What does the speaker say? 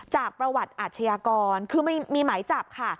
จากประวัติอาชญากรคือมีหมายจับค่ะ